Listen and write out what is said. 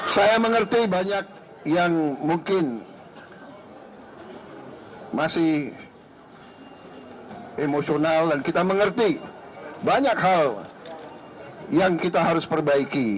saya mengerti banyak yang mungkin masih emosional dan kita mengerti banyak hal yang kita harus perbaiki